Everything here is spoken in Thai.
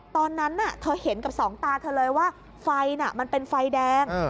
ตอนนั้นเธอเห็นกับสองตาเธอเลยว่าไฟน่ะมันเป็นไฟแดง